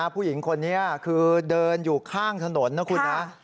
ผู้หญิงคนนี้คือเดินอยู่ข้างถนนนะคุณนะ